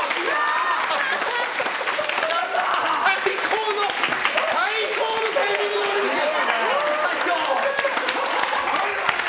最高の最高のタイミングで割れましたよ！